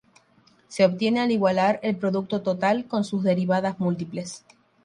Se obtiene al igualar el Producto Total con sus Derivadas múltiples.